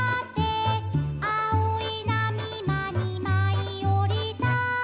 「あおいなみまにまいおりた」